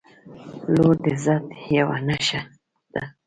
• لور د عزت یوه نښه ده.